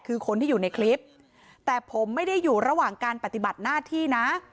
คือคนที่อยู่ในคลิปแต่ผมไม่ได้อยู่ระหว่างการปฏิบัติหน้าที่นะ